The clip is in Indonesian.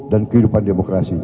dan kehidupan demokrasi